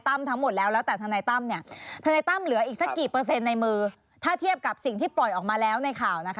ถามหมดแล้วแต่คานิตรมเนี่ยแต่ตั้มเหลืออีกเศษกี่เปอร์เซ็นต์ในมือถ้าเทียบกับสิ่งที่ปล่อยออกมาแล้วใน